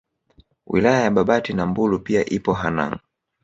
Wilaya ya Babati na Mbulu pia ipo Hanang